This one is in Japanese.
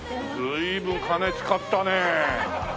随分金使ったねえ。